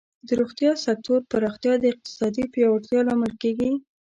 د روغتیا سکتور پراختیا د اقتصادی پیاوړتیا لامل کیږي.